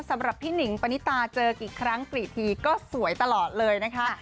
สำหรับพี่หนิงปณิตาเจอกี่ครั้งกี่ทีก็สวยตลอดเลยนะคะ